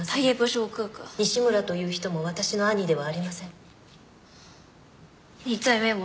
西村という人も私の兄ではありません。